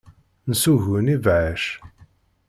Nessugun ibeɛɛac.